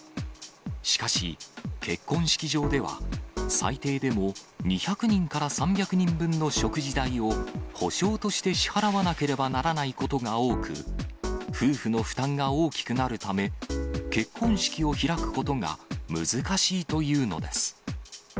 しかし、結婚式場では最低でも２００人から３００人分の食事代を保証として支払わなければならないことが多く、夫婦の負担が大きくなるため、結婚式を開くことが難しいというのです。